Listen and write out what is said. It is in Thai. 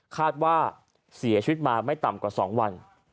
คาดว่าเสียชีวิตมาไม่ต่ำกว่า๒วัน